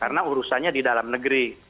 karena urusannya di dalam negeri